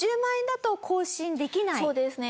そうですね。